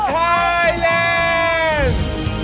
โอโฮไทยแลนด์